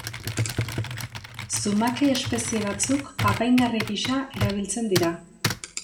Zumake-espezie batzuk apaingarri gisa erabiltzen dira.